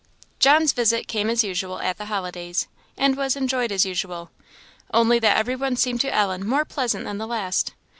John's visit came as usual at the holidays, and was enjoyed as usual; only that every one seemed to Ellen more pleasant than the last.